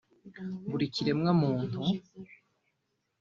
buri kiremwamuntu